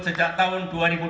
sejak tahun dua ribu delapan